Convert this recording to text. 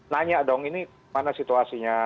nanya dong ini mana situasinya